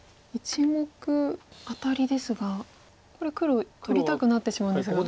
１目アタリですがこれ黒取りたくなってしまうんですが。